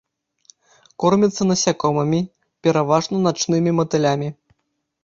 Кормяцца насякомымі, пераважна начнымі матылямі.